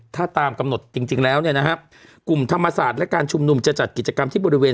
ถ้าตามกำหนดจริงแล้วเนี่ยนะครับกลุ่มธรรมศาสตร์และการชุมนุมจะจัดกิจกรรมที่บริเวณ